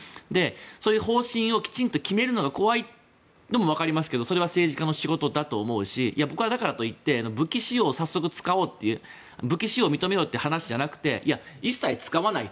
そういう方針をきちんと決めるのが怖いのもわかりますけどそれは政治家の仕事だと思うし僕はだからと言って武器使用を早速認めよう武器使用を認めようという話じゃなくて一切使わないと。